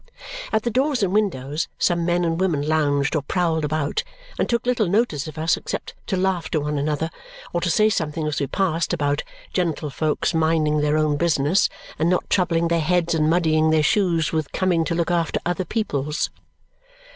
At the doors and windows some men and women lounged or prowled about, and took little notice of us except to laugh to one another or to say something as we passed about gentlefolks minding their own business and not troubling their heads and muddying their shoes with coming to look after other people's.